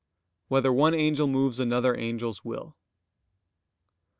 2] Whether one angel moves another angel's will?